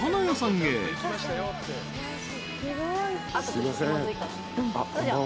すいません。